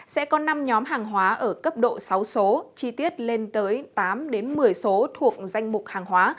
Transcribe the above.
sẽ có năm nhóm hàng hóa ở cấp độ sáu số chi tiết lên tới tám một mươi số thuộc danh mục hàng hóa